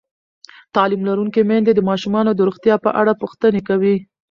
تعلیم لرونکې میندې د ماشومانو د روغتیا په اړه پوښتنې کوي.